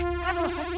eh kan lu